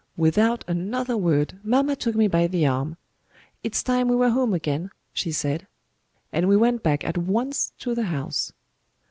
Without another word, mamma took me by the arm. 'It's time we were home again,' she said and we went back at once to the house."